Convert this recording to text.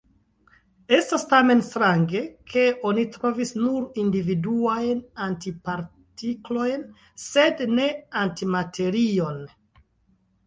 Estas tamen strange, ke oni trovis nur individuajn antipartiklojn, sed ne antimaterion.